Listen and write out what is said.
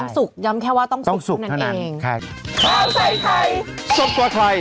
ต้องสุกยำแค่ว่าต้องสุกนั่นเอง